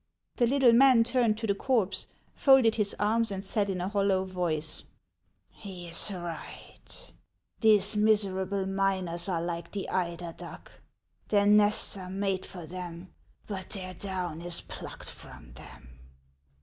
The little man turned to the corpse, folded his arms, and said in a hollow voice :" He is right. These miserable 70 HANS OF ICELAND. miners are like the eider cluck ; l their nests are made for them, but their down is plucked from them."